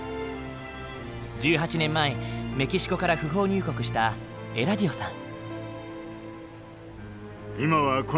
１８年前メキシコから不法入国したエラディオさん。